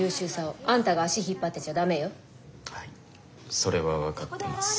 それは分かってます。